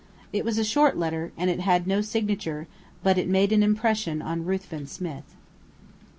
It was a short letter, and it had no signature; but it made an impression on Ruthven Smith.